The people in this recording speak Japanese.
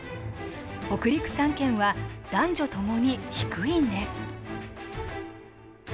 北陸三県は男女ともに低いんです。